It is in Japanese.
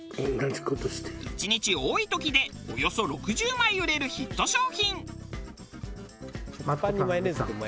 １日多い時でおよそ６０枚売れるヒット商品。